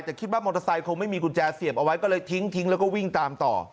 แต่คิดว่ามอเตอร์ไซค์คงไม่มีกุญแจเสียบเอาไว้ก็เลยทิ้งทิ้งแล้วก็วิ่งตามต่อ